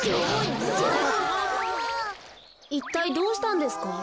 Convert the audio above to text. いったいどうしたんですか？